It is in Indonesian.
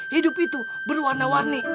hidup itu berwarna warni